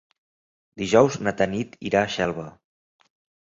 Dijous na Tanit irà a Xelva.